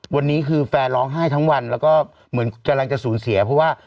วันนี้คือแฟนร้องไห้ทั้งวันแล้วก็เหมือนกำลังจะสูญเสียเพราะว่า